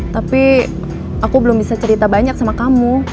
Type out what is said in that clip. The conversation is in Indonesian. tapi aku belum bisa cerita banyak sama kamu